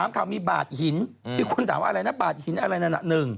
ข่าวมีบาดหินที่คนถามว่าอะไรนะบาดหินอะไรนั่นน่ะ